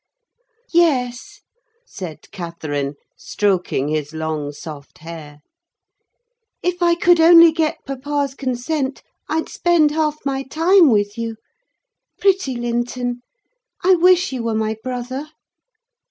"Yes," said Catherine, stroking his long soft hair, "if I could only get papa's consent, I'd spend half my time with you. Pretty Linton! I wish you were my brother."